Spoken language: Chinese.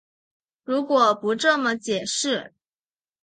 如果不这么解释